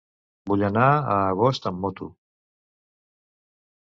Vull anar a Agost amb moto.